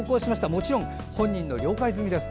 もちろん本人の了解済みです。